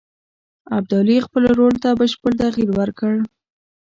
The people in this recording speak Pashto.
ابدالي خپل رول ته بشپړ تغییر ورکړ.